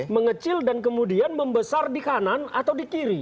mengecil dan kemudian membesar di kanan atau di kiri